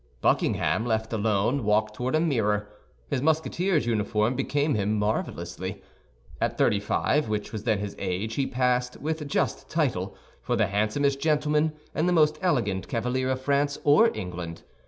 Buckingham, left alone, walked toward a mirror. His Musketeer's uniform became him marvelously. At thirty five, which was then his age, he passed, with just title, for the handsomest gentleman and the most elegant cavalier of France or England.